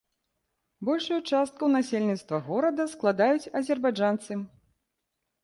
Большую частку насельніцтва горада складаюць азербайджанцы.